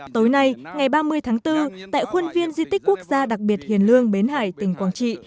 tối nay ngày ba mươi tháng bốn tại khuôn viên di tích quốc gia đặc biệt hiền lương bến hải tỉnh quảng trị